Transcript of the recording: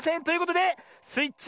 ということでスイ